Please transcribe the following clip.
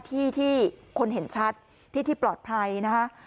ที่ที่คนเห็นชัดที่ที่ปลอดภัยนะคะ